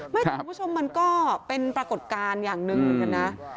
ไม่คุณผู้ชมมันก็เป็นปรากฏการณ์อย่างหนึ่งนะ